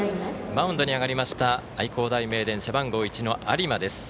マウンドに上がりました愛工大名電背番号１の有馬です。